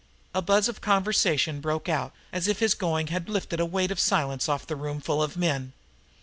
A buzz of conversation broke out as if his going had lifted a weight of silence off the roomful of men.